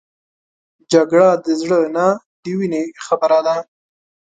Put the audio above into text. جګړه د زړه نه د وینې خبره ده